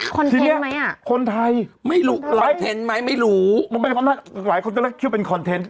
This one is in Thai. คนเทนต์ไหมอะไม่รู้หลายคนก็เลือกชื่อเป็นคอนเทนต์